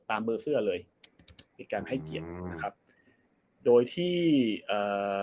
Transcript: ตามเบอร์เสื้อเลยเป็นการให้เกียรตินะครับโดยที่เอ่อ